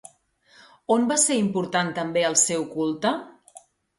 On va ser important també el seu culte?